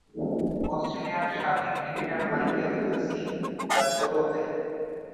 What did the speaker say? অস্ট্রেলিয়ার সাবেক cricketer Michael Hussey তার ছোট ভাই।